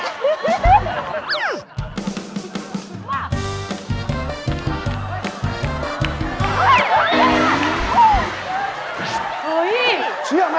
เชื่อไหม